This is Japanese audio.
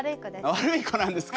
悪い子なんですか？